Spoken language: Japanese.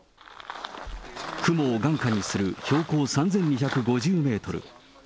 雲を眼下にする標高３２５０メートル。